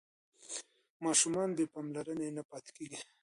ماشومان بې پاملرنې نه پاتې کېږي.